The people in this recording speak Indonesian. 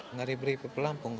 ngeri beri pelampung